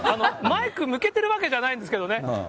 マイク向けてるわけじゃないんですけどね。